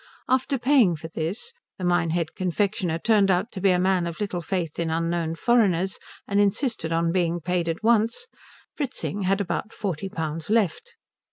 After paying for this the Minehead confectioner turned out to be a man of little faith in unknown foreigners, and insisted on being paid at once Fritzing had about forty pounds left.